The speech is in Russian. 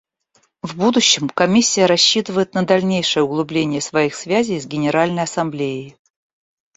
В будущем Комиссия рассчитывает на дальнейшее углубление своих связей с Генеральной Ассамблеей.